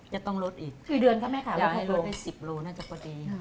จะต้องลดอีกอยากให้ลดได้๑๐กิโลเมตรน่าจะพอดี